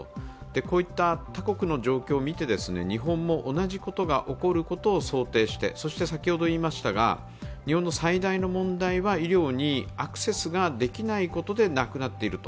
こういった他国の状況を見て日本も同じことが起こることを想定して、日本の最大の問題は医療にアクセスができないことで亡くなっていると。